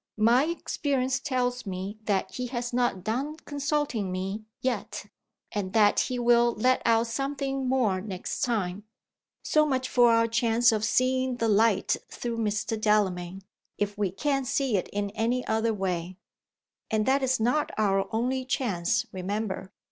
My experience tells me that he has not done consulting me yet and that he will let out something more next time. So much for our chance of seeing the light through Mr. Delamayn if we can't see it in any other way. And that is not our only chance, remember.